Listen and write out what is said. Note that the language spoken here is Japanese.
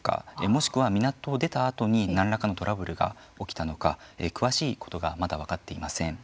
もしくは港を出たあとに何らかのトラブルが起きたのか詳しいことがまだ分かっていません。